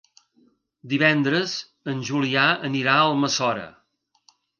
Divendres en Julià anirà a Almassora.